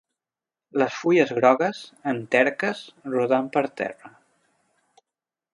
Les fulles grogues, enterques, rodant per terra.